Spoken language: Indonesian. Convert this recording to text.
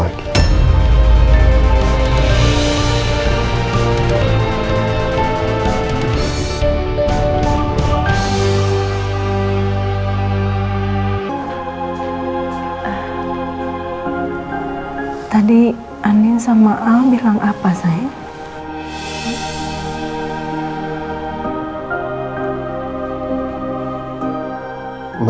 akhir akhir nunggu bakal muncul bikin pelaka itu